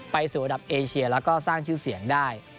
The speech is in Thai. สู่ระดับเอเชียแล้วก็สร้างชื่อเสียงได้